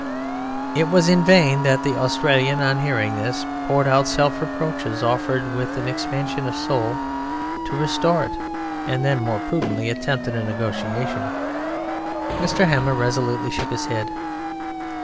It was in vain that the Australian, on hearing this, poured out self reproaches, offered with an expansion of soul to restore it, and then more prudently attempted a negotiation. Mr. Hammer resolutely shook his head.